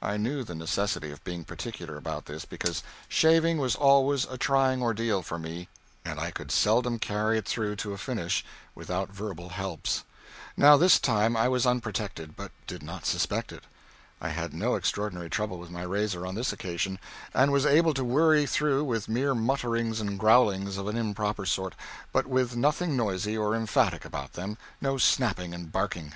I knew the necessity of being particular about this, because shaving was always a trying ordeal for me, and I could seldom carry it through to a finish without verbal helps. Now this time I was unprotected, but did not suspect it. I had no extraordinary trouble with my razor on this occasion, and was able to worry through with mere mutterings and growlings of an improper sort, but with nothing noisy or emphatic about them no snapping and barking.